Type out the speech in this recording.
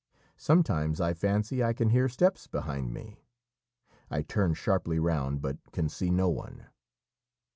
Sometimes I fancy I can hear steps behind me; I turn sharply round, but can see no one.